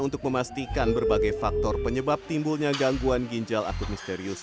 untuk memastikan berbagai faktor penyebab timbulnya gangguan ginjal akut misterius